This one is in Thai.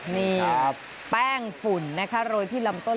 นี่แป้งฝุ่นกลวงพ่อได้ที่ลำตน